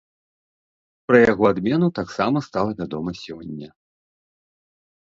Пра яго адмену таксама стала вядома сёння.